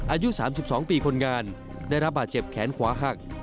อายุ๓๒ปีคนงานได้รับบาดเจ็บแขนขวาหัก